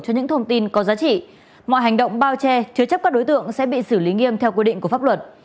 cho những thông tin có giá trị mọi hành động bao che chứa chấp các đối tượng sẽ bị xử lý nghiêm theo quy định của pháp luật